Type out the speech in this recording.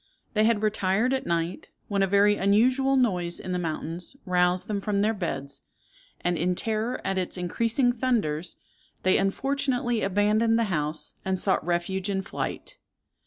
They had retired at night, when a very unusual noise in the mountains roused them from their beds, and, in terror at its increasing thunders, they unfortunately abandoned the house, and sought refuge in flight.